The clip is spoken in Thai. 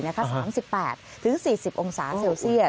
นะคะ๓๘๔๐องศาเศลเชียด